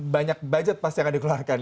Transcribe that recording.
banyak budget pasti akan dikeluarkan